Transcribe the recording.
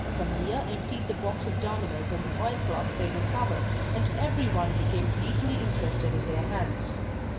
Camille emptied the box of dominoes on the oilcloth table cover, and everyone became deeply interested in their hands.